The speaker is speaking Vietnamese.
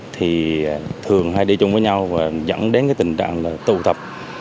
thì thường hay đi chung với nhau và dẫn đến tình trạng tù thập